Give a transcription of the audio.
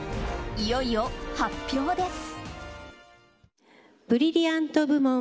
いよいよ発表です。